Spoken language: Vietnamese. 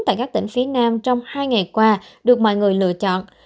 tại các tỉnh phía nam trong hai ngày qua được mọi người lựa chọn